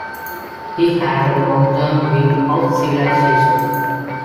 He had a long-term view of civilization.